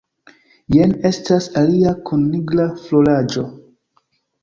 Jen estas alia kun nigra floraĵo.